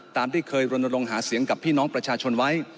ตามที่เคยรณรงค์หาเสียงกับพี่น้องประชาชนไว้